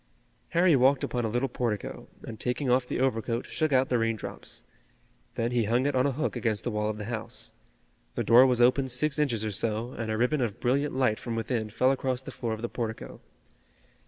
Harry walked upon a little portico, and taking off the overcoat shook out the rain drops. Then he hung it on a hook against the wall of the house. The door was open six inches or so, and a ribbon of brilliant light from within fell across the floor of the portico.